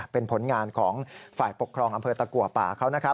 เป็นผลงานของฝ่ายปกครองอำเภอตะกว่าป่า